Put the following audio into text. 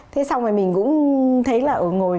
đúng rồi đúng rồi